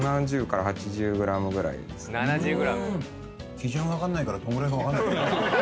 基準分かんないからどんぐらいか分かんない。